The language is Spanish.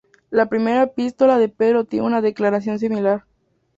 La Primera Epístola de Pedro tiene una declaración similar.